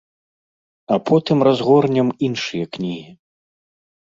А потым разгорнем іншыя кнігі.